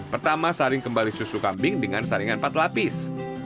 pertama saring kembali susu kambing dengan saringan empat lapis